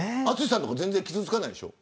淳さんとか全然傷つかないでしょ。